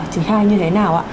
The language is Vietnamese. triển khai như thế nào